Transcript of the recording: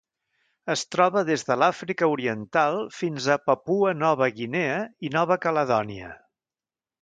Es troba des de l'Àfrica Oriental fins a Papua Nova Guinea i Nova Caledònia.